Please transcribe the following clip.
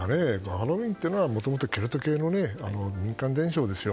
ハロウィーンっていうのはもともとケルト系の民間伝承ですよ。